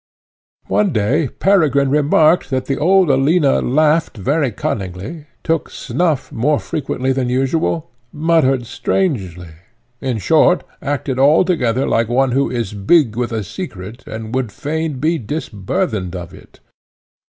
One day Peregrine remarked that the old Alina laughed very cunningly, took snuff more frequently than usual, muttered strangely, in short, acted altogether like one who is big with a secret and would fain be disburthened of it.